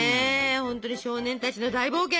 ほんとに少年たちの大冒険。